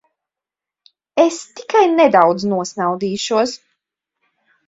Es tikai nedaudz nosnaudīšos.